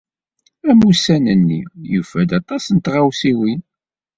Amussan-nni yufa-d aṭas n tɣawsiwin.